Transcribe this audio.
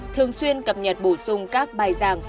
thường xuyên cập nhật bổ sung các bài giảng